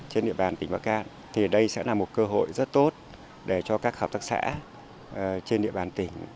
trên địa bàn tỉnh bắc cạn thì đây sẽ là một cơ hội rất tốt để cho các hợp tác xã trên địa bàn tỉnh